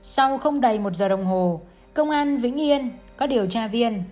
sau không đầy một giờ đồng hồ công an vĩnh yên có điều tra viên